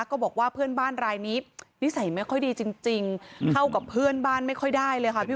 ก็บอกว่าเพื่อนบ้านรายนี้นิสัยไม่ค่อยดีจริงเข้ากับเพื่อนบ้านไม่ค่อยได้เลยค่ะพี่